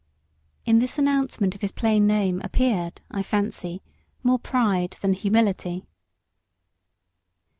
In this announcement of his plain name appeared, I fancy, more pride than humility.